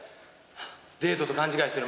デートと勘違いしてる。